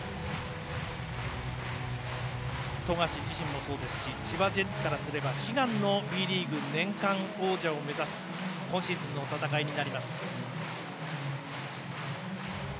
富樫自身もそうですし千葉ジェッツからすれば悲願のＢリーグ年間王者を目指す今シーズンの戦いになります。